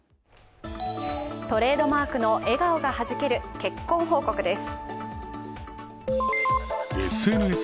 トレードマークの笑顔がはじける結婚報告です。